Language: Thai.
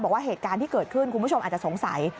บอกว่าเหตุการณ์ที่เกิดขึ้นคุณผู้ชมอาจจะสงสัย